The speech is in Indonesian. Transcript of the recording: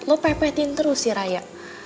lo pepetin terus sih raya